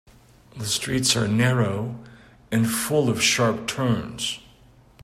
The streets are narrow and full of sharp turns.